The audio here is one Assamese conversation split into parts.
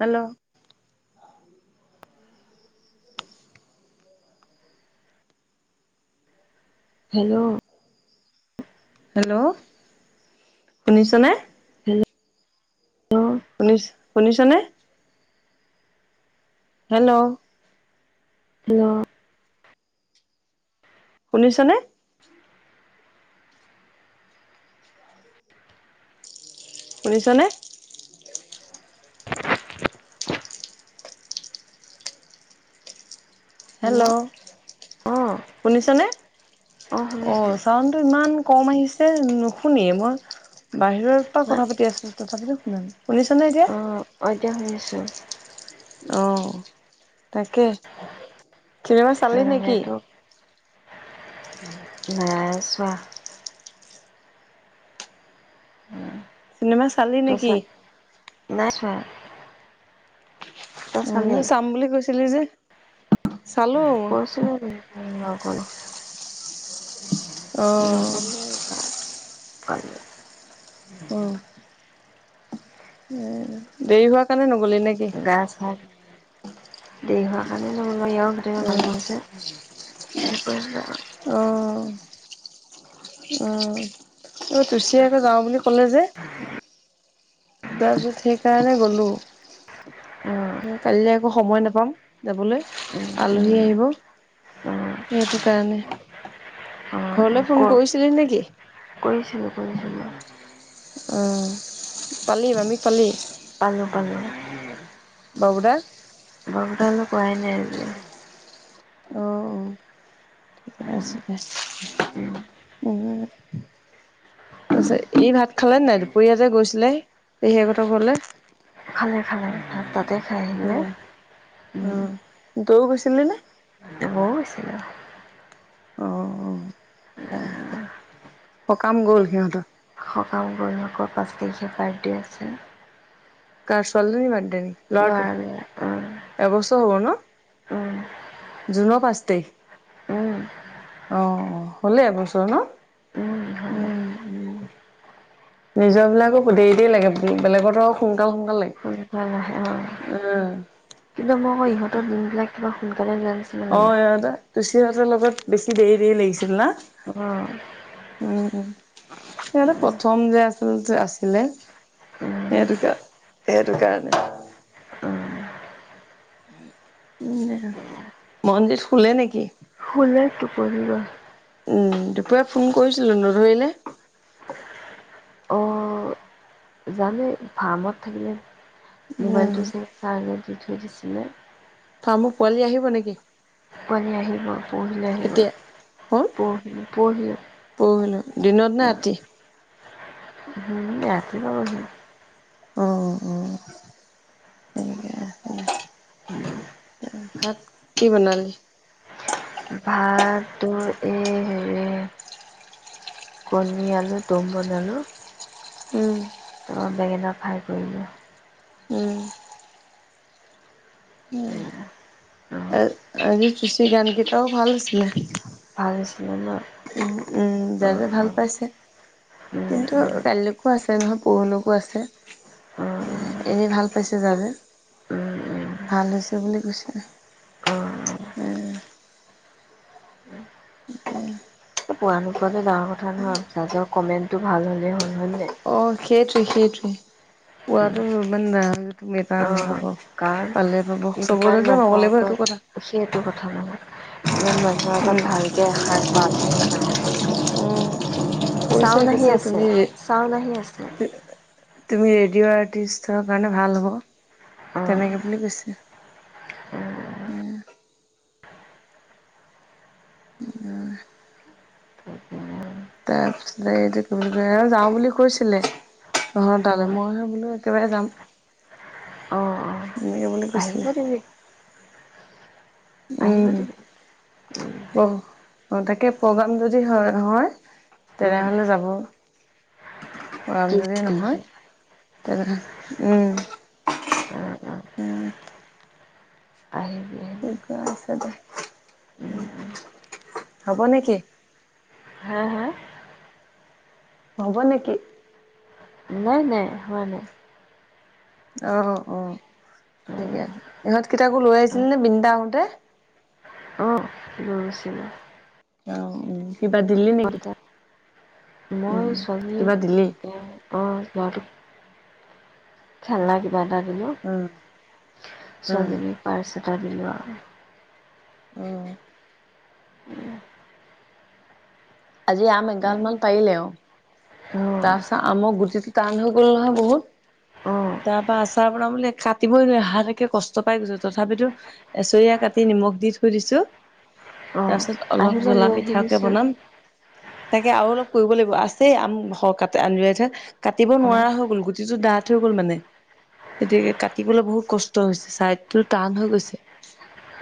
হেল্ল' হেল্ল' হেল্ল' শুনিছনে? হেল্ল' ল্ল' শুনিছ শুনিছনে হেল্ল' হেল্ল' শুনিছনে শুনিছনে হেল্ল' অঁ শুনিছনে অঁ অ শুনিছোঁ চাউণ টো ইমান কম আহিছে নুশুনিয়ে মই বাহিৰৰ পৰা না কথা পাতি আছো তথাপিতো শুনা নাই শুনিছ নে এতিয়া অ এতিয়া শুনিছো অ তাকে চিনেমা চালি নেকি নেটৱৰ্ক নাই চোৱা চিনেমা চালি তই চা নিকি নাই চোৱা তই অ চালি এনে চাম বুলি কৈছিলি যে চালো কৈছিলো কিন্তু নগলো অ নগলোৱে এইবাৰ তালে অ এ দেৰি হোৱাৰ কাৰণে নগ'লি নে কি [unintelligible] ভাল দেৰি হোৱা কাৰণেও নগলো ইয়াতো গোটেইবোৰ অ মানুহ আছে [unintelligible] অ অ অই তুচিয়াকে যাও বুলি ক'লে যে তাৰ পিছত সেইকাৰণে গ'লো উম কালিলে আকৌ সময় নাপাম যাবলৈ উম উম আলহী আহিব উম সেইটো কাৰণে ঘৰলৈ ফোন কৰিছিলি নেকি কৰিছিলো কৰিছিলো অ পালি মামীক পালি পালো পালো বাবু দা বাবুদালৈ কৰাই নাই আজি অ অ ঠিকে আছে উম উম তাৰপিছত ই ভাত খালে নে নাই দুপৰীয়া যে গৈছিলে পেহীয়েক হতৰ ঘৰলে খালে খালে ভাত তাতে খাই আহিলে উম তয়ো গৈছিলি নে মও গৈছিলোঁ অঁ অঁ ঠিকে আছে সকাম গ'ল সিহঁতৰ সকাম গল আকৌ পাঁচ তাৰিখে বাৰ্থডে আছে কাৰ ছোৱালীজনীৰ বাৰ্থডে নেকি ল'ৰাটো লৰা ৰে অ এবছৰ হ'ব ন জুনৰ পাছ তাৰিখ উম অ অ হ'লেই এবছৰ ন ইহঁতে উম উ নিজৰ বিলাকো দেৰি দেৰি লাগে হে বেলেগতো আও সোনকাল সোনকাল লাগে। নাহে হয় অ কিন্তু মই আকৌ ইহঁতৰ দিন বিলাক কিবা সোনকালে যোৱাৰ নিচ অঁ ইহঁততে তুচি হঁতৰ লগত বেছি দেৰি- দেৰি লাগিছিল না? উম। উম। ইহঁটো সিহতে প্ৰথম যে আচলতে আছিলে। সেইটো কা, সেইটো কাৰণে। উম, না মনজিত শুলে নেকি? শুলে টোপনি গ'ল। উম, দুপৰীয়া ফোন কৰিছিলোঁ, নধৰিলে। অঁ জানো এই ফাৰ্মত থাকিলে, উম মোবাইলটো চাগে চাৰ্জে দি থৈ দিছিলে। ফাৰ্মত পোৱালী আহিব নেকি? পোৱালী আহিব পৰহিলে আহিব। কেতিয়া হ'ল পৰহি পৰহিলে। পৰহিলৈ, দিনত না ৰাতি? হুম, ৰাতিপোৱা আহিল। অঁ- অঁ অঁ তাকে‌ গা [unintelligible] উম। তাকে ভাত, কি বনালি? ভাত, তোৰ এ হেৰি কণী আলু দ'ম বনালো। উম। ত' বেঙেনা ফ্ৰাই কৰিলোঁ। উম। এয়া, অ আজ- আজি চুশী গানকেইটাও ভাল হৈছিলে। ভাল হৈছিলে ন? উম- উম, অ জাজে ভাল অ পাইছে, উম কিন্তু উম কাইলে কো আছে নহয়, পৰহিলৈকো আছে, অ অ উম এনেই ভাল পাইছে জাজে। ভাল হৈছে বুলি কৈছে। অঁ, উম, কি এ এ পোৱা নোপোৱটো ডাঙৰ কথা নহয়। জাজৰ কমেণ্টটো ভাল হ'লে হ'ল হয় নাই? অঁ, সেইটোৱে-সেইটোৱে উম, পোৱটো ইমান না অ মেটাৰ নহ'ব। কাৰণ ইমান মানুহৰ সেইটো কথা। আগত সেইটো কথা নহয়। ইমান মানুহৰ উম, আগত ভালকে এসাৰ কোৱাটোহে, ডাঙৰ কথা। উম। কৈছে ছাউন আহি কৈছে আছে, তুমি ছাউন আহি [unintelligible] আছে। তুমি ৰেডিঅ' আৰ্টিষ্টৰ কাৰণে ভাল হ'ব। অঁ তেনেকে বুলি কৈছে। উম [unintelligible] তাৰপিছতে এইটো কি বুলি কয়, এওঁ যাওঁ বুলি কৈছিলে। তঁহত অঁ তালে মইহে বোলো একেবাৰে যাম। অঁ অঁ এনেকে বুলি আহিব কৈছিলে দিবি আহিব উম, দিবি উম প তাকে প্ৰগ্ৰাম যদি হয় হয় উম তেনেহ'লে যাব। প্ৰগ্ৰাম ত্ৰিছ যদি নহয়, তাৰিখে তেনেহ'লে উম। অঁ অঁ আহিবি। আহিবি লোক আছে দে, উম, হ'ব নেকি? হম! হম! হ'ব নেকি? নাই-নাই, হোৱা নাই। অহ', অহ' ঠিকে অঁ আছে। ইহঁত কিতাকো লৈ আহিছিলনে? বিনীতা আহোতে। অঁ লৈ গৈছিলোঁ। অহ', উম' কিবা দিলি নেকি উম, কিবা দিলি? অহ, ল'ৰাটোক খেলা দি কিবা এটা দিলোঁ, উম উম ছোৱালীজনীৰ পাৰ্চ এটা দিলোঁ আৰু। উম। আজি আম আৰু এগালমান পাৰিলে আৰু। অঁ তাৰপিছত আমৰ গুটিটো টান হৈ গ'ল নহয় বহুত। অঁ তাৰপৰা আচাৰ বনাম বুলি কাটিবই ল'লে, হাতকে কষ্ট পাই গৈছ তথাপিতো এচৰিয়া কাটি নিমখ দি থৈ দিছোঁ। অ', তাৰপিছত অলপ আহিলে জ্বলা লৈ মিঠাকে আহিবিচোন। বনাম, তাকে আৰু অলপ কৰিব লাগিব আছেই আম অহ, কাটে [unintelligible] কাটিব অ', নোৱাৰা হৈ গ'ল গুটিটো ডাঠ হৈ গ'ল মানে। এতিয়া একে কাটিবলৈ বহুত কষ্ট হৈছে, ছাইডটো টান হৈ গৈছে।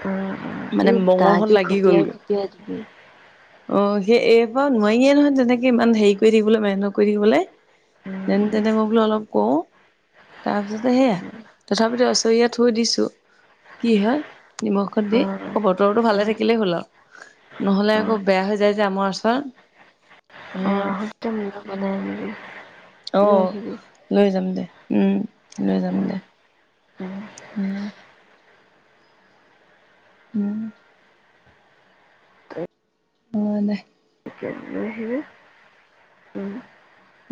উম, মানে এই দা মঙহত দি ঘপিয়াই ঘপিয়াই দিবি। অহ, সেই এইখন নোৱাৰিয়ে নহয় তেনেকে ইমান হেৰি কৰি থাকিবলৈ, মেহনত কৰি থাকিবলৈ। উম, তেন উম, তেনেকৈ বোলো অলপ কৰো। তাৰপিছতে সেয়া, তথাপিত এচৰিয়াত থৈ দিছোঁ। কি হয় নিমখখন দি, অ', আকৌ বতৰটো ভালে উম, থাকিলেই হ'ল আৰু। নহ'লে আকৌ বেয়া হৈ যায় যে আমৰ আচাৰ। এ অহ। খাব নোৱাৰি। অহ, লৈ যাম দে, উম লৈ যাম উম, দে। উম, উম। উম। অহ, দে। উম', হম'। উম।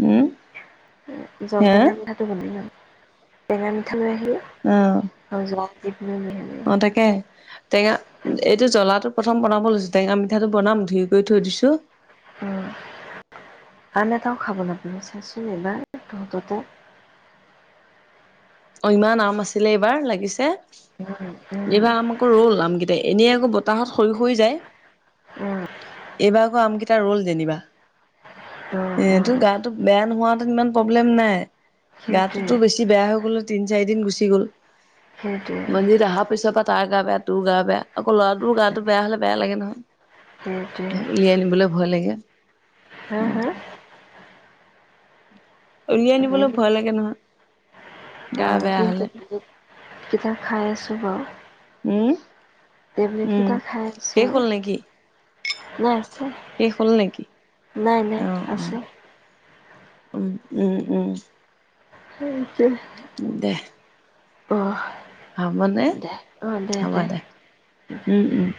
উম। হে জলটেঙা মিঠাটো বনাই লাম, টেঙা মিঠা লৈ আহিলে। অহ। [unintelligible] অহ, তাকে টেঙা উম, এইটো জ্বলাটো প্ৰথম বনাব লৈছো, টেঙা মিঠাটো বনাম ধুই কৰি থৈ দিছোঁ। উম, আন এটাও খাবলৈ [unintelligible] এবাৰ তহঁতৰ তাত। অহ, ইমান আম আছিলে এইবাৰ লাগিছে। উম', উম'। এইবাৰ আম আকৌ ৰ'ল আমকেইট এনেই আকৌ বতাহত সৰি সৰি যায়। উম। এইবাৰ আকৌ আমকেইটা ৰ'ল যেনিবা। অ', এইটো অ', গাটো বেয়া নোহোৱাত ইমান প্ৰব্লেম নাই। সেইটোৱে। গাটোতো বেছি বেয়া হৈ গ'লে তিন চাৰিদিন গুচি গ'ল। সেইটোৱে, মন্দিৰিত অহাৰ পিছৰ পৰা তাৰ গা বে টো গা বেয়া, আকৌ ল'ৰাটোৰ গা টো বেয়া হলে বেয়া লাগে সেইটোৱে। ন, উলিয়াই নিনবলৈ ভয় লাগে। সেইটোৱে [inaudible] উলিয়াই নিবলৈ ভয় লাগে নহয়। গা অঁ, বেয়া যিহেতু হলে কিতা খাই আছোঁ বাও। উম। টেবলেট উম কেইটা খাই আছো, শেষ হ'ল নেকি নাই শেষ হ'ল নেকি নাই নাই অ অ আছোঁ। উম উম উম। সেইটোৱে। দে। অহ। হ'ব নে? হ'ব দে। উম উম।